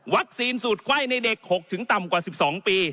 วัคซีนสูตรไข้ในเด็ก๖ถึงต่ำกว่า๑๒ปี